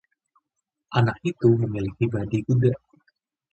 anak itu memiliki badi kuda